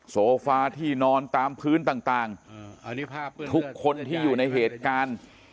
โฟฟาที่นอนตามพื้นต่างต่างอันนี้ภาพทุกคนที่อยู่ในเหตุการณ์